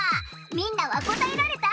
みんなはこたえられた？